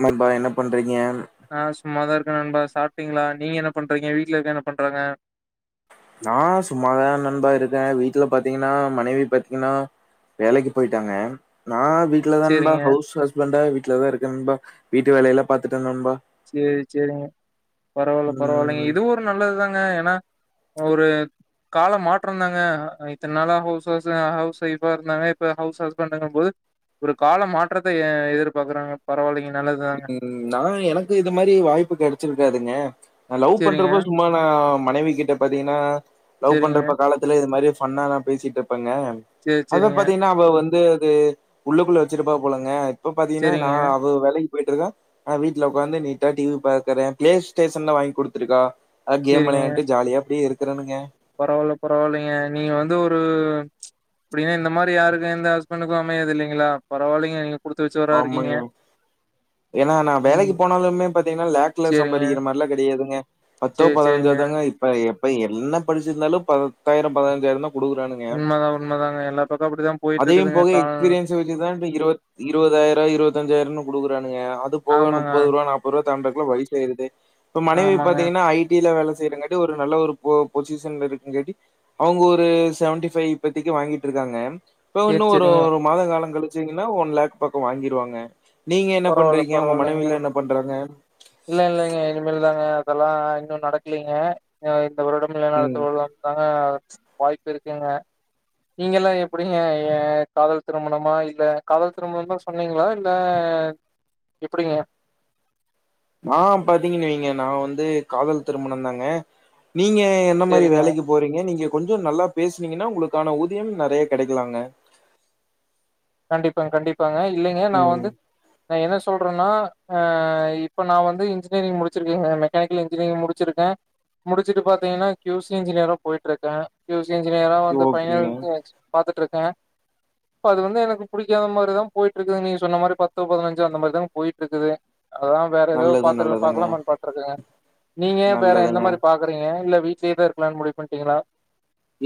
என்னபா என்ன பண்றீங்க ஆ சும்மாதான் இருக்க நண்பா சாப்டீங்ளா நீங்க என்ன பண்றீங்க வீட்ல இருக்க என்ன பண்றாங்க நா சும்மாதா நண்பா இருக்க வீட்ல பாத்தீங்கன்னா மனைவி பாத்தீங்கன்னா வேலைக்கி போயிட்டாங்க நா வீட் ல தா நண்பா சேரிங்க ஹவுஸ் ஹஸ்பண்டா வீட்ல தா இருக்க நண்பா வீட்டு வேலையெல்லா பாத்துட்டே நண்பா சேரி சேரிங்க பரவாயில்ல பரவாயில்லங்க ம் இதுவு ஒரு நல்லதுதாங்க ஏன்னா ஒரு காலம் மாற்றந்தாங்க இத்தன நாளா ஹவுஸ் ஹவுஸ் ஹவுஸ் ஒய்ஃபா இருந்தாங்க இப்ப ஹவுஸ் ஹஸ்பண்டுங்கும் போது ஒரு கால மாற்றத்தை எ எதிர்பாக்குறாங்க பரவாயில்லிங்க நல்லதுதாங்க நா எனக்கு இது மாரி வாய்ப்பு கெடைச்சிருக்காதுங்க நா லவ் சேரிங்க பண்றப்போ சும்மா நா மனைவிக்கிட்ட பாத்தீங்கன்னா லவ் சேரிங்க பண்றப்ப காலத் துல இது மாரி ஃபண்ணா தா பேசிட்டு இருப்பங்க சேரி அத சேரிங்க பாத்தீங்கன்னா இவ வந்து அது உள்ளுக்குள்ள வச்சிருப்பா போலங்க இப்ப பாத்தீங்கன்னா நா சேரிங்க அவ வேலைக்கி போயிட்டுக்கா நா வீட்ல உக்காந்து நீட்டா டிவி பாக்கற பிளே ஸ்டேஷன்லா வாங்கி குடுத்துருக்கா நா கேம் விளையாண்ட்டு ஜாலியா அப்புடியே இருக்குறேனுங்க பரவாயில்ல பரவாயில்லங்க நீங்க வந்து ஒரு அப்டின்னா இந்த மாரி யாருக்கு எந்த ஹஸ்பணுக்கு அமையாது இல்லைங்களா பரவால்லிங்க நீங்க குடுத்து வச்சவரா இருக்கீங்க ஆமாங்க ஏன்னா நா வேலைக்கி ம் போனாலுமே பாத்தீங்கன்னா லேக்ல சேரிங்க சம்பாரிக்கிற மாரியெல்லா கெடையாதுங்க பத்தோ சேரி பதினஞ்சோ சேரிங்க தாங்க இப்ப எப்ப என்ன படிச்சிருந்தாலு பத்தாயிரோ பதினஞ்சாயிரோந்தா குடுக்குறானுங் உண்மதா உண்மதாங்க எல்லா பக்கோ அப்புடிதா போயிட்டு இருக்குதுங்க கால வச்சு வச்சுதா இப்ப இருவத் இருவதாயிரோ இருவத்தஞ்சாயிரோன்னு குடுக்குறானுங்க அது போக ஆமாங்க நுப்பது ரூபா நாப் பது ரூவா தாண்டுறதுக்குள்ள வயசாயிறது இப்ப மனைவி ஆமாங்க பாத்தீங்கன்னா ஐ டில வேல செய்றங்கட்டி ஒரு நல்ல ஒரு பொ பொசிஷன்ல இருக்கங்காட்டி அவுங்க ஒரு செவன்டி ஃபைவ் இப்பத்திக்கு வாங்கிட்டு இருக்காங்க இப்போ சேரி இன்னு ஒரு சேரிங்க ஒரு மாதோ காலங் கழிச்சீங்கன்னா ஒன் லேக் பக்கோ வாங்கிருவாங்க நீங்க என்ன பரவால்ல பண்றீங்க உங்க பரவால்லைங்க மனைவிலா என்ன பண்றாங்க இல்ல இல்லங்க இனிமேல் தாங்க அதெல்லா இன்னு நடக்கலீங்க ஆ இந்த வருடம் குள்ள நடத்த ம் [unintelligible] தாங்க வாய்ப்பு இருக்குங்க நீங்கள்லா எப்டிங்க ஏ காதல் திருமணமா இல்ல காதல் திருமணம் தா சொன்னீங்களா இல்ல எப்படிங்க நா பாத்தீங்கன்னு வைங்க நா வந்து காதல் திருமணம் தாங்க நீங்க என்ன மாரி சேரிங்க வேலைக்கு போறீங்க நீங்க கொஞ்ச நல்லா பேசுனீங்கன்னா உங்களுக்கான ஊதிய நெறைய கெடைக்கலாங்க கண்டிப்பாங்க கண்டிப்பாங்க இல்லைங்க நா ம் வந்து நா என்ன சொல்றேன்னா ஆ இப்ப நா வந்து இன்ஜினியரிங் முடிச்சிருக்கேங்க மெக்கானிக்கல் இன்ஜினியரிங் முடிச்சிருக்க முடிச்சுட்டு பாத்தீங்கன்னா கியூசி இன்ஜினியரும் போயிட்டு இருக்க கியூ சி இன்ஜினியரா வந்து ஃபைனல் ஓகேங்க. டச் பாத்துட்டு இருக்க இப்ப அது வந்து எனக் ஒன்னு புடிக்காத மாரிதா போயிட்ருக்கு நீங்க சொன்ன மாரி பத்தோ பதினஞ்சோ அந்த மாரி தா போயிட்ருக்குது அதா வேற ஏதோ நல்லது, பாத்துலா நல்லதுங்க, பாக்கலாமான்னு பாத்துட்ருக்கங்க நீங்க வேற எந்த நல்லதுங்க. மாதிரி பாக் கறீங்க இல்ல வீட்லே தா இருக்கலானு முடிவு பண்ட்டீங்களா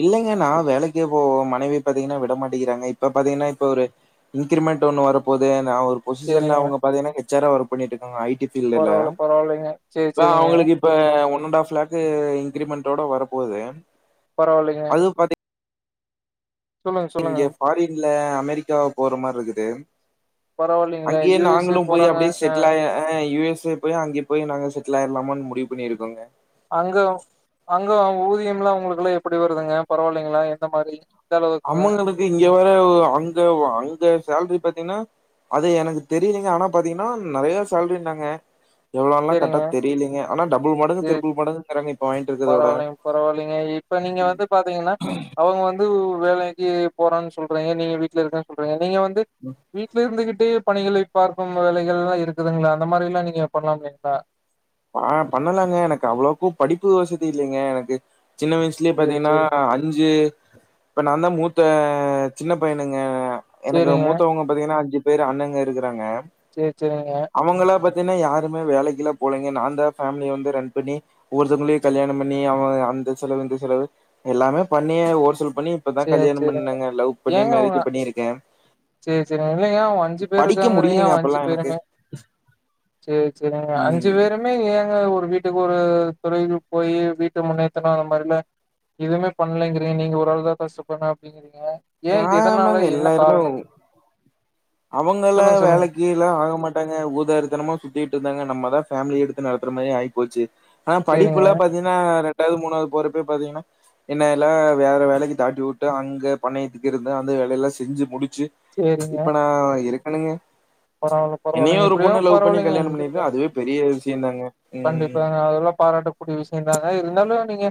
இல்லைங்க நா வேலைக்கே போவ மனைவி பாத்தீங்கன்னா விட மாட்டேங்கிறாங்க இப்ப பாத்தீங்கன்னா இப்ப ஒரு இன்கிரிமெண்ட் ஒன்னு வரப் போது நா ஒரு பொசிசன்ல சேரிங்க அவுங்க பாத்தீங்கன்னா ஹெச் ஆரா ஒர்க் பண்ணிட்ருக்காங்க ஐ டி ஃபீல்டுல இல்ல பரவால்ல பரவால்லைங்க சேரி சேரிங்க அவுங்களுக்கு இப் இப ஒன் அண்ட் ஹாஃப் லேக்கு இன்கிரிமெண்டோட வரப் போகுது பரவால்லங்க பாத்தீங் சொல்லுங்க சொல்லுங்க இங்க ஃபாரின்ல அமெரிக்கா போற மாரி இருக்குது பரவால்லைங்களே அங்க்யே யு எஸ் ஏ நாங்களும்போய் போறாங்க அப்டே செட்டில் ஆய அ யு எஸ் ஏ போய அங்கே போய் நாங்க செட்டில் ஆயிரலாமான்னு முடிவுபண்ணிருக்கோங்க அங்க அங்க ஊதியம்லா உங்குளுக்குல்லா எப்புடி வருதுங்க பரவால்லிங்ளா எந்த மாரி எந்த அளவுக்குங்க? அம்முங்கரவ்களுக்குக் இங்க வேற அங்க அங்க சேல்ரி பாத்தீங்ன்னா அது எனக்கு தெரிய்லீங்க ஆனா பாத்தீங்கன்னா நறைய சேல்ரின்னாங்க எவ்ளோன்லா கர்ட்டா சேரிங்க தெரியீலிங்க அனா டபுள் மடங்கு திரிபுள் மடங்கு கிறாங்க இப்ப வாங்கிட்டு இருக் பரவால்லைங்க பரவால்லிங்க இப்ப நீங்க வந்து பாத்தீங்கன்னா அவுங்க வந் வந்து வேலைக்கு போறான் சொல்றீங்க நீங்க வீட்டுல இருக்கன் சொல்றீங்க நீங்க வந்து ம் வீட்ல இருந்துகிட்டு பணிகளை பார்க்கும் வேலைகள்ல்லா இருக்குதுங்ளா அந்த மாரில்லா நீங்க பண்லாமேங்க்கா அ பண்ணு லாங்க எனக்கு அவ்ளோக்கு படிப்பு வசதி இல்லங்க எனக்கு சின்ன வயஸ்லே பாத்தீங்கன்னா சேரி அஞீசு ப்ப நாந்தா மூத்த சின்ன பையனுங்க எனக்கு சேரிங்க மூத்தவுங்க பாத்தீங்கன்னா அஞ்சு பேரு அண்ணங்க இருக்குறாங்க சேர் செரிங்க அவுங்களா பாத்தின்னா யாருமே வேலைக்குல்லா போலங்க நாந்தா ஃபேமிலிய வந்து ரன் பண்ணி ஒர்த்தவங்களயு கல்யாணம் பண்ணி அவ அந்த செலவு இந்த செலவு எல்லாமே பண்ணி ஒர் சில் பண்ணி இப்பத சேரி கல்யாணம் சேரி பண்ணங்க லவ் பண்ணி மேரேஜ் பண்ணிருக்கெ சேர் சேரிங்க இல்லங்க அவுங்க அஞ்சு பேரு இருக்காங்கறீங்க அவுங்க அஞ்சு அப்பெல்லா எனக்கு பேருமே சேர் செரிங்க அஞ்சு ம் பேரும் அனா ஏங்க ஒரு வீட்டுக்கு ஒரு தொழிலுக்கு போயி வீட்ட முன்னேத்தனு அந்த மாரில்லா எதுவுமே பண்லைங்கிறீங்க நீங்க ஒரு ஆள்தா தசுப்பண்ண அப்டிங்கறீங்க ஏ எதனால ஆமாங்க என்ன காரணம் அவுங்கள சொல்லுங்க சொல்லுங்க வேலைக்கு கீல்லா ஆக மாட்டாங்க ஊதாரித்தனமா சுத்திகிட் இருந்தாங்க நம்மதா ஃபேமிலி எடுத்து நடத்துற மாரி ஆயிபோச்சு ஆ சேரிங்க படிப்புல்லா பாத்தீன்னா ரெண்டாவுது மூணாவுது போறப்பே பாத்தீகன்னா என்னயெல்லா வேற வேலைக்கு தாட்டி விட்டு அங்க பண்ணையத்துக்கு இருந்த அந்த வேலையெல்லா செஞ்சு முடிச்சு சேரிங்க அ இருக்கணுங்க பரவால்ல என்னையு பரவால்லைங்க ஒரு எப்டியோ பொண்ணு லவ் பண்ணி பரவால்லைங்க கல்யாண பண்ணிருக்கா அதுவே பெரிய விஷய தாங்க கண்டிப்பாங்க அதெல்ல பாராட்டக்கூடிய விஷயந்தாங்க இருந்தாலு நீங்க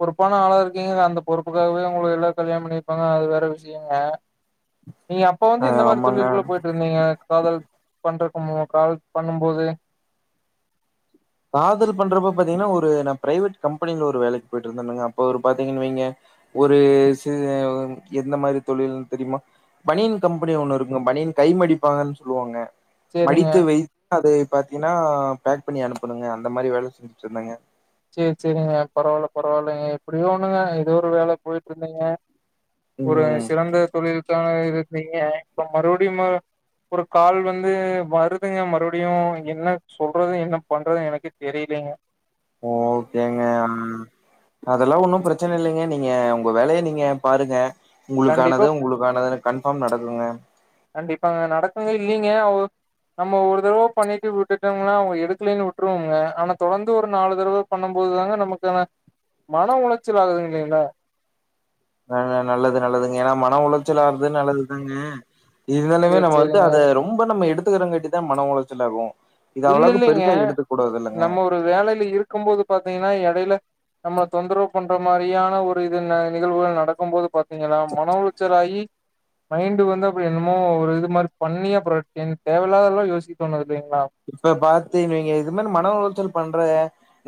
பொறுப்பான ஆளருக்கீங்க அந்த பொறுப்புக்காகவே உங்களயெல்லா கல்யாணம் பண்ணிர்ப்பாங்க அது வேற விஷயங்க [inaudible] நீங்க அப்ப வந்து ஆ எந்த மாரு ஆமாங்க தொழில் குள்ள போயிட்டு இருந்தீங்க காதல் பண்றக்கமோ காதல் பண்ணும்போது காதல் பண்றப்ப பாத்திங்கன்னா ஒரு நா பிரைவெட் கம்பெனில ஒரு வேலைக் போயிட்டு இருந்தேன்னுங்க அப்ப ஒரு பாத்திங்கன்னு வெங்க ஒரு ச எந்த மாரி தொழில்ன் தெரியுமா பனியன் கம்பெனி ஒன்னுஇருக்குங்க பனியன் கை மடிப்பாங்கன் சொல்லுவாங்க சேரிங்க மடித்து வை அதை பாத்திங்கன்னா பேக் பண்ணி அனுப்பணுங்க அந்த மாரி வேலை செஞ்சுட்ருந்தாங்க சேர் செரிங்க பரவால்ல பரவால்லைங்க எப்புடியோ ஒண்ணுங்க எதோ ஒரு வேல பொயிட்ருகிங்க ஒரு ம் சிறந்த தொழில் தான இருக்கிங்க இப்ப மறுபடியுமா ஒரு கால் வந்து வருதுங்க மறுபடியு என்ன சொல்றது என்ன பண்றது எனக்கே தெரிய்லங்க ஓக்கேங்க அதெல்லா ஒன்னு பிரச்சனை இல்லிங்க நீங்க உங்க வேலைய நீங்க பாருங்க கண்டிப்பா உங்குளுக்கானது உங்குளுக்கானதுன்னு கன்ஃபார்ம் நடக்குங்க கண்டிப்பாக நடக்குங்அ இல்லீங்க அவுங்க நம்ம ஒரு தடவை பண்ணிட்டு விட்டுட்டோங்கலா அவுங்க எடுக்கலேன்னு வுட்ருஓங்க அவுங்க தொடர்ந்து ஒரு நாலு தரவ பண்ணும்போது தாங்க நமக்கான மன உளைச்சல் ஆகுது இல்லைங்ள வேணா நல்லது நல்லதுங்க ஏனா மன உளைச்சலாறது நல்லதுதாங்க இவளுமே சேரி நம்ம வந்து சேரிங்க அத ரொம்ப நம்ம எடுத்துக்கிறங்காட்டிதா மன உளைச்சல் ஆகு இத இல்ல அவ்வளக்கு இல்லைங்க பெருசா எடுத்துக்க கூடாது இல்லங்க நம்ம ஒரு வேலைல இருக்கும் போது பாத்தீங்கனா எடையில நம்ம தொந்தரவு பண்ற மாரியான ஒரு இது நிகழ்வுகள் நடக்கும் போது பாத்தீங்களா மன உளைச்சலாகி [inaudible] மைண்ட் வந்து அப்டி என்னமோ ஒரு இது மாரி பண்ணி அப்ரொ என் தேவயில்லாததெல்லாம் யோசிக்கோணு இல்லைங்களா இப்ப பாத்து நீங்க இது மாரி மன உளச்சல் பண்றிங்க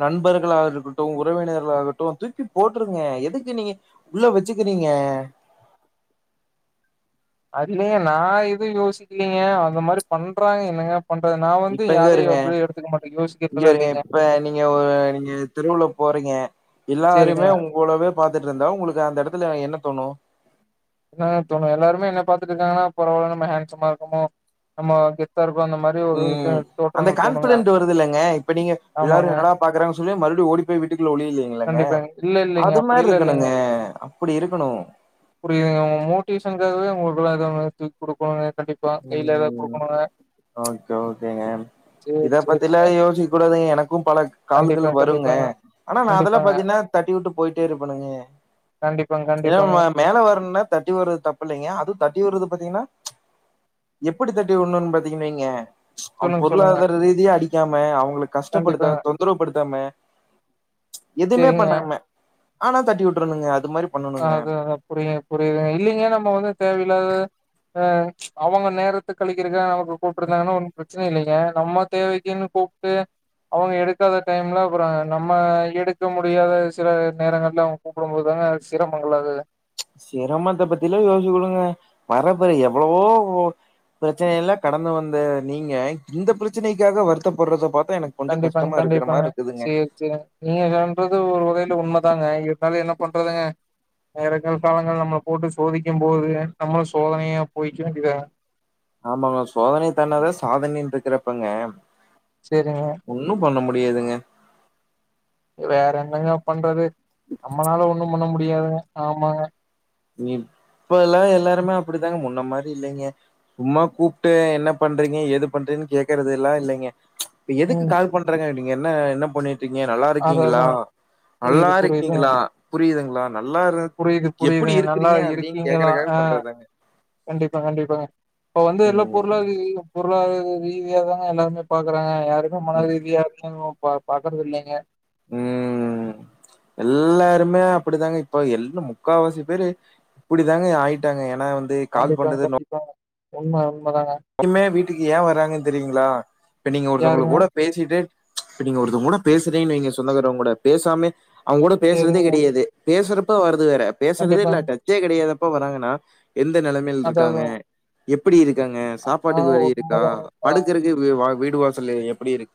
நண்பர்களாக இருக்கட்டு உறவினர்களாகட்டு தூக்கி போட்ருங்க எதுக்கு நீங்க உள்ள வெச்சிக்கிறீங்க அதுல்ல நா எதுவு யோசிக்கலீங்க அந்த மாரி பண்றாங்க என்னங்க பண்றது நா வந்து இப்ப இங்க யாரையு பருங்க அப்டி எடுத்துக்க மாட்டே இங்க யோசிக்கிறதுலா வருங்க இல்லைங்க இப்ப நீங்க ஒரு நீங்க தெருவுல போறீங்க சேரிங்க எல்லாருமே உங்களவே பாத்துட்டு இருந்தா உங்களுக்கு அந்த இடத்துல என்ன தோணு என்ன தோணும் எல்லாருமே என்ன பாத்துட்டு இருக்காங்கனா பரவால நம்ம ஹாண்ட்சம்மா இருக்கமோ நம்ம கெத்தா இருக்கிறோ அந்த மாரி ஒரு இது ம் அந்த தோற்றங்கள் தோணுங்க கான்ஃபிடென்ட் வருதுல்லங்க இப்ப நீங்க எல்லாரு ஆமாங்க என்னடா பாக்கறாங்க சொல்லி மறுபடியு ஓடிபோய் வீட்டுக்குள்ள ஒளியிலயே இல்லங்க கண்டிப்பாங்க இல்ல இல்லைங்க அது மாரி அப்டிலா இல்லைங்க இருக்கணுங்க அப்டி இருக்கணு புரியுதுங்க உங்க மோட்டிவேஷனுக்காகவே உங்களுக்குல்லா எதொன்னு எத்து குடுக்கணுங்க கண்டிப்பா கைல எதா ம் குடுக்கணுங்க ஓகே ஓகேங்க சேரி இத சேரி பத்திலா யோசி கூடவே எனக்கு பலக்கு கால்கள் கண்டிப்பா வருங்க கண்டிப்பாங்க ஆனா நா அதெல்லா கண்டிப்பாங்க பாத்தீங்கனா தட்டி விட்டு போயிட்டே இருப்பணுங்க கண்டிப்பாங் கண்டி ஏம்மா மேல வரனா தட்டி உட்ரது தப்ப இல்லைங்க அது தட்டி உர்றது பாத்தீங்கனா எப்டி தட்டி உட்னூன் பாத்தீங்க வைங்க அவன் சொல்லுங்க சொல்லுங்க பொருளாதார ரீதியா அடிக்காம அவங்கள கண்டிப்பாங்க கஷ்டப்படுத்தாம தொந்தரவுப்படுத்தாம எதுவுமே சேரிங்க பண்ணாம ஆனா தட்டி விட்ருனுங்க அது மாரி பண்ணணுங்க அது நல்லா புரியுங்க புரியுது இல்லிங்க நம்ம வந்து தேவையில்லாத அ அவங்க நேரத்த கழிக்கதற்காக நமக்கு கூப்பிருந்தாங்கனா பிரச்சனை இல்லைங்க நம்ம தேவைக்குன் கூப்டு அவங்க எடுக்காத டைம்ல அப்றொ நம்ம எடுக்க முடியாத சில நேரங்கள்ல அவங்க கூப்பிடும் போது தாங்க சிரமங்கலதுல சிரமத்த பத்திலா யோசிக்க வுடுங்க வரப்போற எவ்ளவோ ஓ பிரச்சன எல்லா கடந்து வந்த நீங்க இந்த பிரச்சனைக்காக வருத்தப்படுறத பாத்தா எனக் கண்டிப்பாங்க கண்டிப்பாங்க சேரி செரி நீங்க கண்றது ஒரு வகையில உண்மதாங்க இருந்தாலு என்ன பண்றாதுங்க நேரங்கள் பாவங்கள் நம்மள போட்டு சோதிக்கும் போதுங்க நம்மளு சோதனையா போய்க்க வேண்டிதா ஆமாங்க சோதனைய தாண்டனவே சாதனைன் இருக்குறப்பங்க செரிங்க ஒன்னு பண்ண முடியாதுங்க வேற என்னங்க பண்றது நம்மளால ஒண்ணு பண்ண முடியாதுங்க ஆமாங்க இப்ப எல்லா எல்லாருமே அப்டிதாங்க முன்ன மாதிரி இல்லைங்க சும்மா கூப்டு என்ன பண்றீங்க ஏது பண்றீங்கனு கேக்குறது எல்லா இல்லைங்க எதுக்கு ம் கால் பண்றாங்க நீங்க என்ன என்ன பண்ணிட் ருக்கீங்க நல்லா அதா இருக்கீங்களா அதா நல்லா புரியுது புரியுது இருக்கீங்களா புரியுதுங்களா நல்லா இரு புரியிது எப்டி புரியிதுங்க நல்லா இருக்கிறீங்க அப்டின்னு இருக்கீங்களா கேக்குறக்காக அ பண்றது கண்டிப்பா கண்டிப்பாங்க இப்ப வந்து எல்லா ம் பொருளாதார ரீதி பொருளாதார ரீதியாதாங்க எல்லாருமே பாக்குறாங்க யாருமே மன ம் ரீதியா [unintelligible] பா பாக்கறது இல்லைங்க ம் எல்லாருமே அப்படித்தாங்க இப்ப எல்லா முக்கால்வாசி பேரு அப்டிதாங்க ஆயிட்டாங்க ஏன்னா கால் கண்டிப்பா கண்டிப்பா உண்ம உண்மதாங்க இப்பயுமே வீட்டுக்கு ஏ வர்ராங்கன்னு தெரியுங்களா இப்ப நீங்க யாருங்க? ஒருத்தவங்களுக்கு கூட பேசிட்டே இப்ப நீங்க ஒருத்தங்க கூட பேசுறீங்கனு வைங்க சொந்தக்காரங்க கூட பேசாமே அவங்க கூட பேசுறதே சரிங்க. கிடையாது பேசுறப்ப வராது வேற பேசுறதே இல்ல கண்டிப்பாங்க. டச்சே கிடையாதப்ப வராங்கன்னா எந்த நெலமையில் இருக்காங்க அதாதாங்க. எப்டி இருக்காங்க ஆ சாப்பாட்டுக்கு வழி இருக்கா உண்மதாங்க, உண்மதாங்க. படுக்கறக்கு வா வீடு வாசல் எப்டி இருக்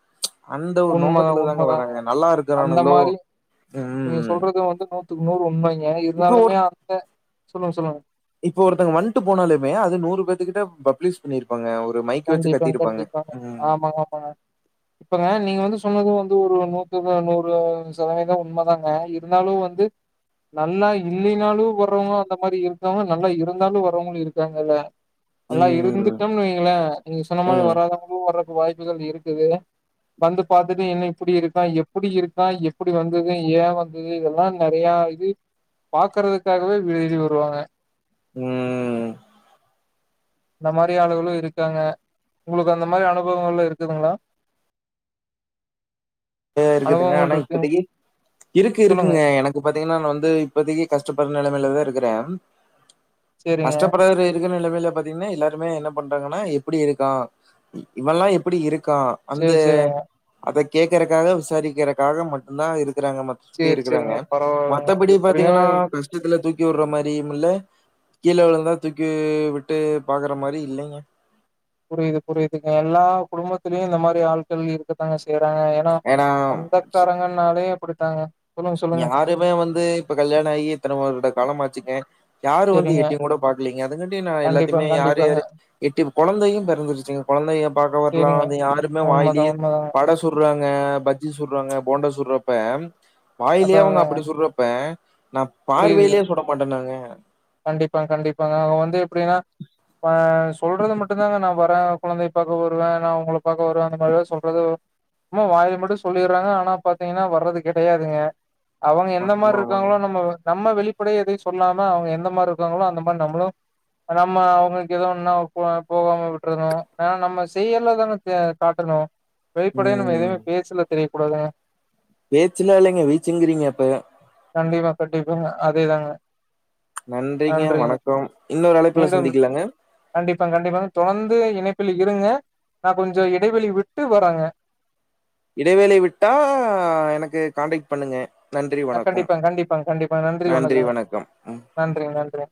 அந்த ஒரு உண்மதான், நோக்கத்துலதாங்க உண்மதாங்க. வர்றாங்க நல்லா அந்த இருக்கிறானுங்கலோ மாரி நீங்க சொல்றது வந்து நூத்துக்கு நூறு உண்மைங்க இப்ப இருந்தாலுமே அந்த சொல்லுங் சொல்லுங்க இப்போ ஒருத்தங்க வந்ட்டு போனாலுமே அது நூறு பேத்துக்கிட்ட பப்ளீஸ் பண்ணீரு ப்பாங்க ஒரு மைக்கு வச்சு கண்டிப்பாங்க, கத்திருப்பாங்க கண்டிப்பாங்க. ம் ஆமாங்க, ஆமாங்க. இப்பங்க நீங்க வந்து சொன்னது வந்து ஒரு நூத்துக்கு நூறு சதவீதோ உண்மதாங்க இருந்தாலு வந்து நல்லா இல்லினாலு வர்றவங்க அந்த மாதிரி இருக்காங்க நல்லா இருந்தாலு வர்றவங்களு இருக்காங்கல்ல நல்லா ம் இருந்துட்டோம்னு வைங்களே நீங்க சொன்ன மாதிரி ம் வராதவங்களு வர்றதுக்கு வாய்ப்புகள் இருக்குது வந்து பார்த்துட்டு என்ன இப்படி இருக்கான் எப்டி இருக்கான் எப்டி வந்தது ஏ வந் இது இதெல்லா நெறையா இது பாக்குறதுக்காகவே வீடு தேடி வருவாங்க ம் அந்த மாதிரி ஆளுகளு இருக்காங்க உங்களுக்கு அந்த மாதிரி அனுபவங்கள் இருக்குதுங்களா அ இருக்கட்டுங்க அனுபவங்கள் ஆனா இருக்குங் இப்பதைக்கு இருக்கு சொல்லுங்க. இருக்குங்க எனக் இப்ப பாத்தீங்கன்னா நா வந்து இப்பதைக்கு கஷ்டப்படுற நிலைமையில தா இருக்கிறே சரிங்க. கஷ்டப்படுற இப்ப இருக்க நிலமையில பாத்தீங்கன்னா எல்லாருமே என்ன பண்றாங்கன்னா எப்டி இருக்கான் இவன்லா எப்டி இருக்கான் அந்த சரி, சரிங்க. அத கேக்குறக்காக விசாரிக்கிறக்காக மட்டுந்தா இருக்கிறாங்கமா சுத்தி சரி, இருக்கறாங்க சரிங்க. பரவால்லங்க. மத்தபடி பாத்தீங்கன்னா எப்டியும் கஷ்டத்துல தூக்கி உடுற மாதியு இல்ல கீழ விழுந்தா தூக்கி விட்டு பாக்குற மாரியு இல்லைங்க புரியுது புரியுதுங்க எல்லா குடும்பத்திலயு இந்த மாதிரி ஆட்கள் இருக்கத்தாங்க செய்யறாங்க அ‌ ஏன்னா சொந்தக்காரங்கனாலே அப்டித்தாங்க சொல்லுங்க சொல்லுங்க இதுமே வந்து இப்ப கல்யாணமாகி இத்தன வருட காலம் ஆச்சிங்க யாரு வந்து சரிங்க எட்டியு கூட பாக்கலீங்க அதுங்காட்டியும் நா எல்லாத்தையுமே கண்டிப்பாங்க யாரு கண்டிப்பாங்க யாரு எட்டி குழந்தையு பிறந்துருச்சுங்க குழந்தைய பாக்க வரலா சரிங்க வந்து யாருமே உண்மதா வாயிலயே உண்மதாங்க வட சுட்றாங்க பஜ்ஜி சுட்றாங்க போண்டா சுட்றப்ப அதா வாயிலயே அவங்க அதாங்க அப்டி சுட்றப்ப நா பார்வையிலயே சுட மாட்டனாங்க கண்டிப்பா கண்டிப்பாங்க அவங்க வந்து எப்டின்னா ஆ சொல்றது மட்டுந் தாங்க நா வறே கொழந்தய பாக்க வருவே நா உங்கள பாக்க வருவே அந்த மாரிதா சொல்றது சும்மா வாயில மட்டு சொல்லிறாங்க ஆனா பாத்தீங்கன்னா வர்றது கெடையாதுங்க அவங்க எந்த ஆமா மாரி ஆமாங்க இருக்காங்களோ நம்ம நம்ம வெளிப்படையா எதயு சொல்லாம அவங்க எந்த மா றி இருக்காங்களோ அந்த மாரி நம்மளு நம்ம அவங்களுக்கு ஏதோ ஒன்னுனா போகாம விட்றணு ஏனா நம்ம செயல்ல தாங்க காட்டணு வெளிப்படையா நம்ம ம் எதுமே பேஸ்ல தெரிய கூடாதுங்க பேச்சுலா இல்லைங்க வீச்சுங்றீங்க அப்பவே கண்டிப்பா கட்டிப்பாங்க அதேதாங்க நன்றிங்க வணக்கம் இன்னொரு அழைப்புல சந்திக்லாங்க கண்டிப்பாங்க கண்டிப்பாங்க தொடந்து இணைப்பில இருங்க நா கொஞ்சோ இடைவெளி விட்டு வர்றேங்க இடைவேளை விட்டா எனக்கு கான்டேக்ட் பண்ணுங்க நன்றி அ வணக்கம் கண்டிப்பாங்க கண்டிப்பாங்க கண்டிப்பா நன்றி வணக்கங்க வணக்கம் ம் நன்றி நன்றி